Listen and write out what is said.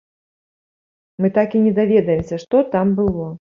Мы так і не даведаемся, што там было.